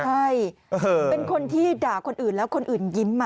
ใช่เป็นคนที่ด่าคนอื่นแล้วคนอื่นยิ้มมา